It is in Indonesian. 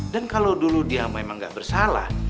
dan kalau dulu dia memang gak bersalah